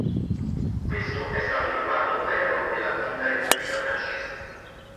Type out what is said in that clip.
Questo è stato il quarto governo della Quinta Repubblica francese.